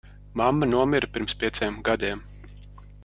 Mamma nomira pirms pieciem gadiem.